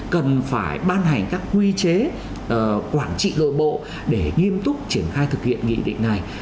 cần phải ban hành các quy chế quản trị nội bộ để nghiêm túc triển khai thực hiện nghị định này